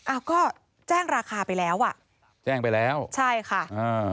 อ้าวก็แจ้งราคาไปแล้วอ่ะแจ้งไปแล้วใช่ค่ะอ่า